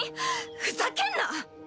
ふざけんな！